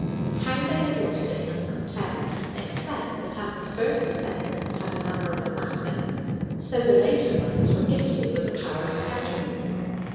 How they had lost it, none could tell; except that as the first descendants had a manner of amassing, so the later ones were gifted with a power of scattering.